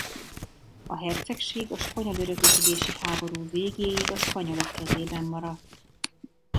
A hercegség a spanyol örökösödési háború végéig a spanyolok kezében maradt.